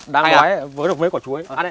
đang đói với một mấy quả chuối